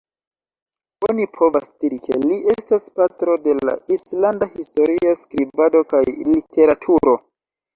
Oni povas diri ke li estas patro de la islanda historia skribado kaj literaturo.